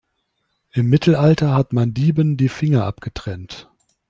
Im Mittelalter hat man Dieben die Finger abgetrennt.